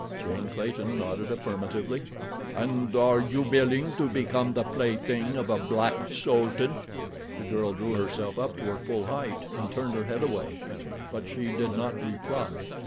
Jane Clayton nodded affirmatively. "And you are willing to become the plaything of a black sultan?" The girl drew herself up to her full height, and turned her head away; but she did not reply.